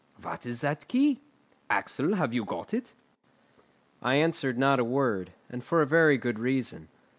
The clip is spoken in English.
What is that key? Axel, have you got it?" I answered not a word, and for a very good reason.